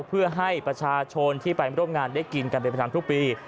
เพื่อให้ประชาชนที่ไปร่วมงานได้กินกันเป็นประจำทุกปี